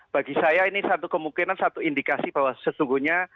bagi saya ini satu kemungkinan satu indikasi bahwa sesungguhnya